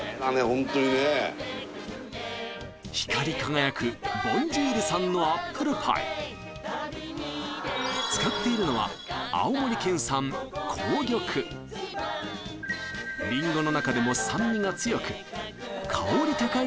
ホントにね光り輝くボンジュールさんのアップルパイ使っているのは青森県産紅玉りんごの中でものが特徴